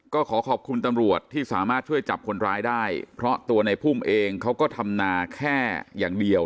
ก็ขอขอบคุณตำรวจที่สามารถช่วยจับคนร้ายได้เพราะตัวในพุ่มเองเขาก็ทำนาแค่อย่างเดียว